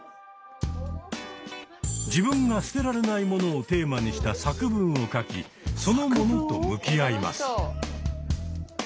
自分が捨てられない物をテーマにした作文を書きその「物」と向き合います。